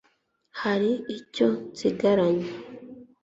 hari icyo nsigaranye